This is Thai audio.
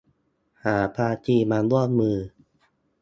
หาภาคีมาร่วมมือ